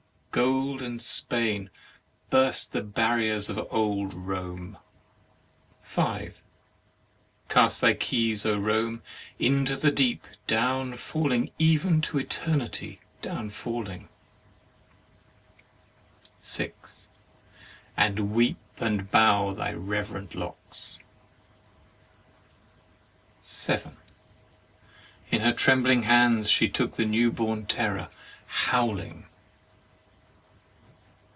Golden Spain, burst the barriers of old Rome ! 5. Cast thy keys, Rome, into the deep — down falling, even to eternity down falling; 6. And weep! 7. In her trembling hands she took the new born terror, howling.